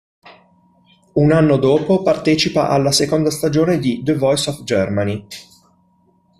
Un anno dopo partecipa alla seconda stagione di "The Voice of Germany".